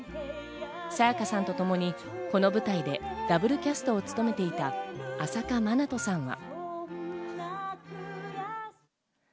沙也加さんとともにこの舞台でダブルキャストを務めていた朝夏まなとさんは。